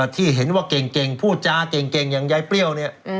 ที่เห็นว่าเก่งพูดจาเก่งอย่างยายเปรี้ยวเนี่ย